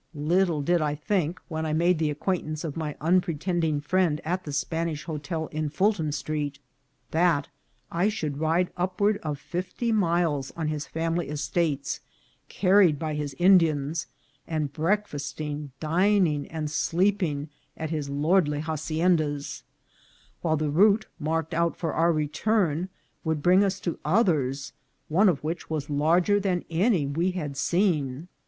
Little did I think, when I made the acquaint ance of my unpretending friend at the Spanish hotel in Fulton street, that I should ride upward of fifty miles on his family estates, carried by his Indians, and break fasting, dining, and sleeping at his lordly haciendas, while the route marked out for our return would bring us to others, one of which was larger than any we had ARRIVAL AT UXMAL. 411 seen.